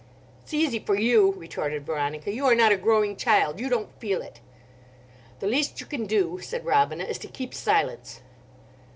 "It's easy for you," retorted Veronica. "You are not a growing child. You don't feel it." "The least you can do," said Robina, "is to keep silence."